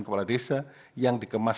kepala desa yang dikembangkan